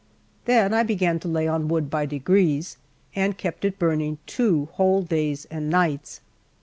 Then I began to lay on wood by degrees, and kept it burning two whole days and nights.